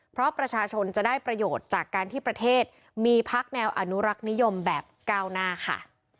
เพราะประชาชนจะได้ประโยชน์จากการที่ประเทศมีพักแนวอนุรักษ์นิยมแบบก้าวหน้าค่ะ